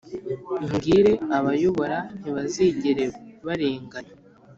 mbwire abayobora ntibazigere barenganya,